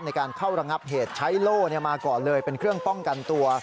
ในการเข้าระงับเหตุใช้โล่มาก่อนเลยเป็นเครื่องป้องกันตัว